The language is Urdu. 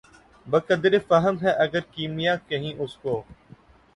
بہ قدرِ فہم ہے اگر کیمیا کہیں اُس کو